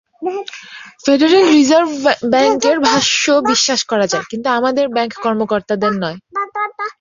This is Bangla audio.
ফেডারেল রিজার্ভ ব্যাংকের ভাষ্য বিশ্বাস করা যায় কিন্তু আমাদের ব্যাংক কর্মকর্তাদের নয়।